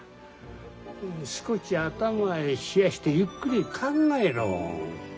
少し頭冷やしてゆっくり考えろ。